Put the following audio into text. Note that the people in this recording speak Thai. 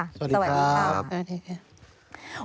สวัสดีครับ